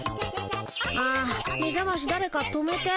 あめざましだれか止めて。